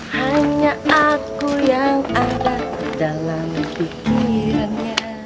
hanya aku yang ada dalam pikirannya